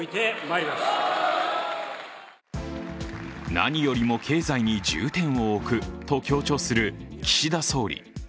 何よりも経済に重点を置くと強調する岸田総理。